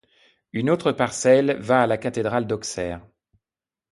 Une autre parcelle va à la cathédrale d'Auxerre.